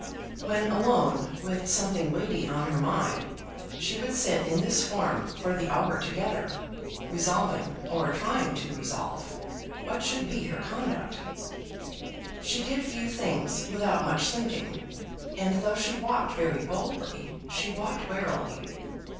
When alone with something weighty on her mind she would sit in this form for the hour together, resolving, or trying to resolve, what should be her conduct. She did few things without much thinking, and though she walked very boldly, she walked warily.